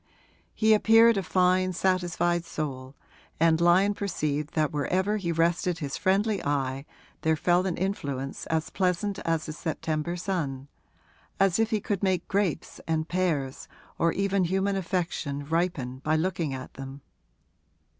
He appeared a fine satisfied soul, and Lyon perceived that wherever he rested his friendly eye there fell an influence as pleasant as the September sun as if he could make grapes and pears or even human affection ripen by looking at them.